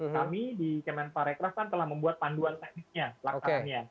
kami di kemen parekraf telah membuat panduan teknisnya